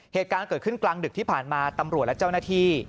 เหตุการณ์เกิดขึ้นกลางดึกที่ผ่านมาตำรวจและเจ้าหน้าที่